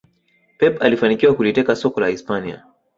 pep alifanikia kuliteka soka la hispania